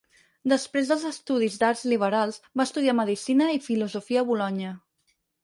Després dels estudis d'arts liberals, va estudiar medicina i filosofia a Bolonya.